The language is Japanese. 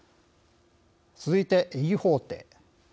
続いて、ｅ法廷。